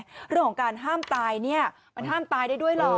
เรื่องของการห้ามตายเนี่ยมันห้ามตายได้ด้วยเหรอ